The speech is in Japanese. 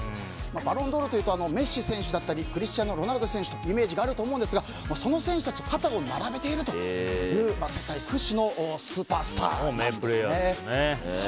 バロンドールというとメッシ選手だったりクリスティアーノ・ロナウド選手というイメージがあるかと思いますがその選手たちと肩を並べているという名プレーヤーですね。